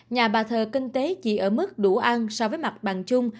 nhà bà thờ kinh tế chỉ ở mức đủ ăn so với mặt bằng chung